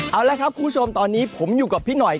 เอาละครับคุณผู้ชมตอนนี้ผมอยู่กับพี่หน่อย